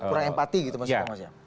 kurang empati gitu mas eko mas ya